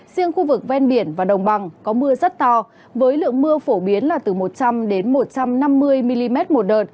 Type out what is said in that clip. riêng khu vực ven biển và đồng bằng có mưa rất to với lượng mưa phổ biến là từ một trăm linh một trăm năm mươi mm một đợt